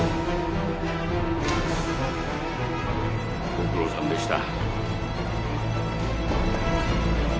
ご苦労さんでした。